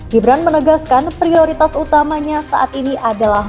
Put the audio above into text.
gibran menegaskan prioritas utamanya saat ini adalah